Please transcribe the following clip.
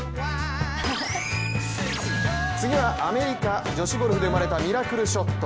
次は、アメリカ女子ゴルフで生まれたミラクルショット。